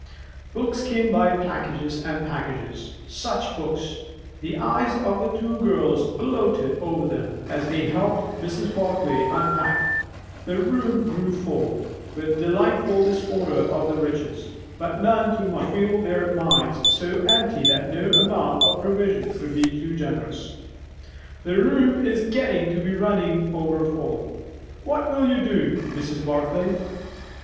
Books came by packages and packages. Such books! The eyes of the two girls gloated over them, as they helped Mrs. Barclay unpack; the room grew full, with delightful disorder of riches; but none too much, for they began to feel their minds so empty that no amount of provision could be too generous. "The room is getting to be running over full. What will you do, Mrs. Barclay?"